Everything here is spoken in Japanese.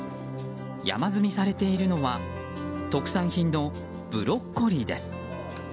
山積みされているのは特産品のブロッコリーです。